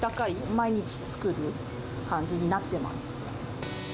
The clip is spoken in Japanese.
毎日作る感じになってます。